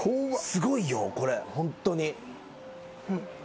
すごいよこれホントに。